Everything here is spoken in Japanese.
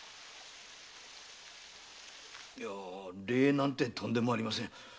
礼なんてとんでもありません。